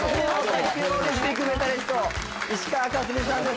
卓球オリンピックメダリスト石川佳純さんです。